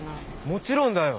もちろんだよ！